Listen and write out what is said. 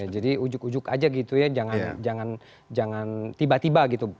jadi ujuk ujuk aja gitu ya jangan tiba tiba gitu